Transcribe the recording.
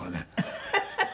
ハハハハ！